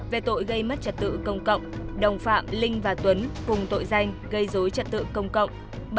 về tội gây mất trật tự công cộng đồng phạm linh và tuấn cùng tội danh gây dối trật tự công cộng